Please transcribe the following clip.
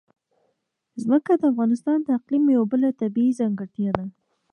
ځمکه د افغانستان د اقلیم یوه بله طبیعي ځانګړتیا ده.